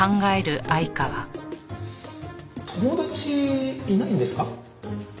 友達いないんですか？